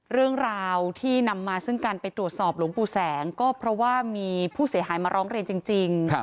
เรื่องราวที่นำมาซึ่งการไปตรวจสอบหลวงปู่แสงก็เพราะว่ามีผู้เสียหายมาร้องเรียนจริง